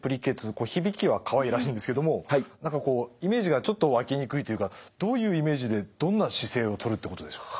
これ響きはかわいらしいんですけども何かイメージがちょっと湧きにくいというかどういうイメージでどんな姿勢をとるってことでしょうか。